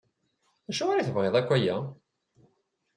Acuɣer i tebɣiḍ akk aya?